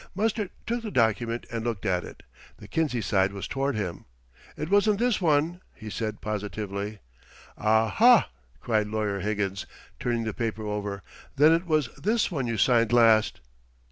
Mustard took the document and looked at it. The Kinsey side was toward him. "It wasn't this one," he said positively. "Ah, ha!" cried Lawyer Higgins, turning the paper over. "Then it was this one you signed last!"